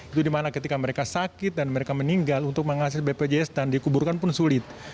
itu dimana ketika mereka sakit dan mereka meninggal untuk mengakses bpjs dan dikuburkan pun sulit